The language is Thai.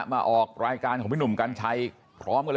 มาออกรายการของพี่หนุ่มกัญชัยพร้อมกัน